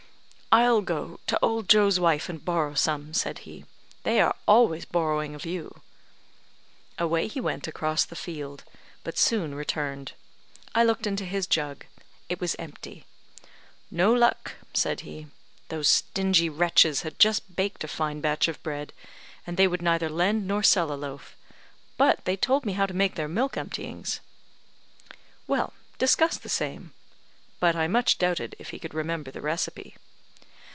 "I'll go to old Joe's wife and borrow some," said he; "they are always borrowing of you." Away he went across the field, but soon returned. I looked into his jug it was empty. "No luck," said he; "those stingy wretches had just baked a fine batch of bread, and they would neither lend nor sell a loaf; but they told me how to make their milk emptyings." "Well, discuss the same;" but I much doubted if he could remember the recipe.